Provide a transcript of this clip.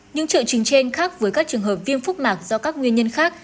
những trợ trình trên khác với các trường hợp viêm phúc mạc do các nguyên nhân khác